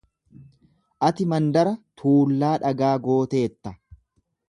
Ati mandara tuullaa dhagaa gooteetta.